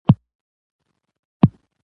زه په ښار کې غريبي کوم که زما وظيفه نه وى.